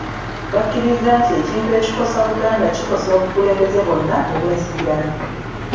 Bakkiriza nti ekintu ekikosa Buganda kikosa obukulembeze bwonna obw’ensikirano.